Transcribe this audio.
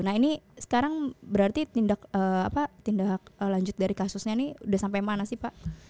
nah ini sekarang berarti tindak lanjut dari kasusnya ini sudah sampai mana sih pak